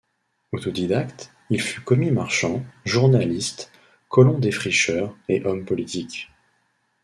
Autodidacte, il fut commis-marchand, journaliste, colon-défricheur et homme politique.